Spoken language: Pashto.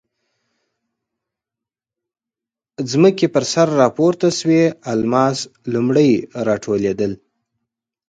ځمکې پر سر راپورته شوي الماس لومړی راټولېدل.